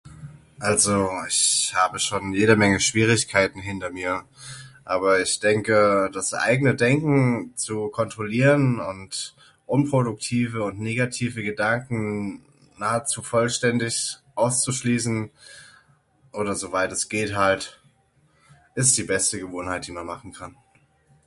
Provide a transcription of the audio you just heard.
Also ich habe schon jede Menge Schwierigkeiten hinter mir aber ich denke das eigene Denken zu kontrollieren und unproduktive und negative Gedanken nahezu vollständig auszuschließen oder soweit es geht halt, ist die Beste Gewohnheit die man machen kann.